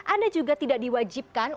anda juga tidak diwajibkan